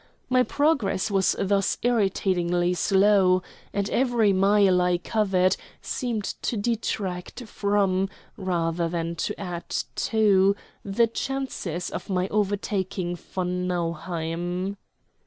My progress was thus irritatingly slow, and every mile I covered seemed to detract from, rather than add to, the chances of my overtaking von Nauheim.